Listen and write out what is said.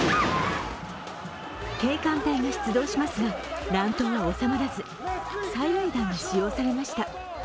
警官隊が出動しますが乱闘は収まらず催涙弾が使用されました。